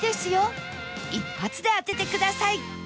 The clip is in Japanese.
一発で当ててください